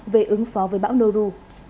về ứng phó với bão nuru